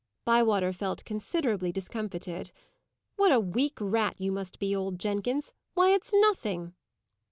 Bywater felt considerably discomfited. "What a weak rat you must be, old Jenkins! Why, it's nothing!"